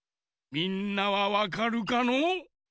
みんなはわかるかのう？